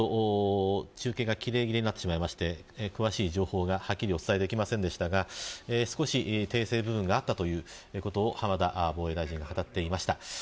中継が切れ切れになってしまいまして詳しい情報が詳しくできませんでしたが少し訂正部分があったということを浜田防衛大臣が語っていました。